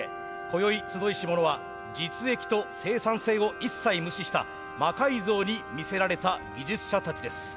こよい集いし者は実益と生産性を一切無視した魔改造に魅せられた技術者たちです。